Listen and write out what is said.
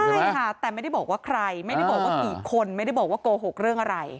ใช่ค่ะแต่ไม่ได้บอกว่าใครไม่ได้บอกว่ากี่คนไม่ได้บอกว่าโกหกเรื่องอะไร